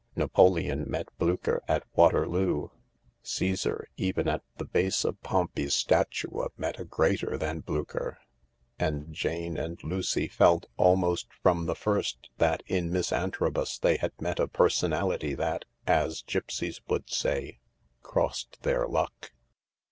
Napoleon met Blucher at Waterloo ; Caesar, even at the base of Pompey's statua, met a greater than Blucher ; and Jane and Lucy felt, almost from the first, that in Miss Antrobus they had met a personality that, as gipsies wouldsay, "crossed their luck."